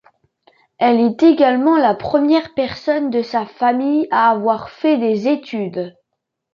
Elle est également la première personne de sa famille à avoir fait des études.